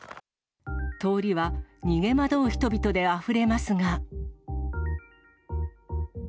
通りは逃げ惑う人々であふれますが。